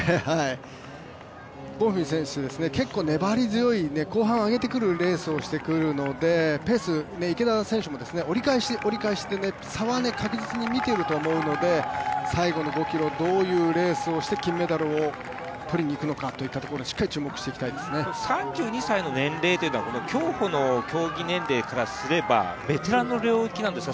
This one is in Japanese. ボンフィム選手、結構粘り強くて後半上げてくるレースをしてくるのでペース、池田選手も折り返し、折り返しで確実に見ていると思うので、最後の５ｋｍ、どういうレースをして金メダルをとりにいくのか３２歳の年齢というのはこの競歩の競技年齢からすればベテランの領域なんですか？